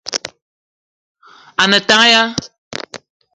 A ne tank ya ?